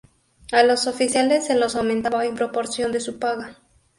A los oficiales se los aumentaba en proporción de su paga.